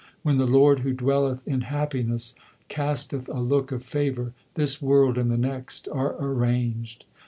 When the Lord who dwelleth in happiness casteth a look of favour, this world and the next are arranged.